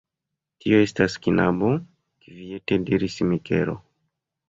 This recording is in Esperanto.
Tio estas knabo, kviete diris Mikelo.